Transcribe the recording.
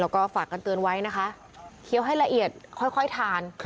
แล้วก็ฝากกันเตือนไว้นะคะเคี้ยวให้ละเอียดค่อยทาน